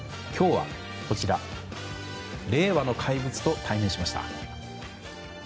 今日はこちら、令和の怪物と対面しました。